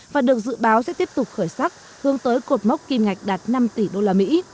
và được dự báo sẽ tiếp tục khởi sắc hướng tới cột mốc kim ngạch đạt năm tỷ usd